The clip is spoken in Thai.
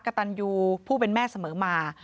กระตันยูผู้เป็นแม่เสมอมา